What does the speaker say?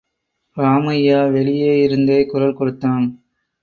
ராமய்யா வெளியே இருந்தே குரல் கொடுத்தான்.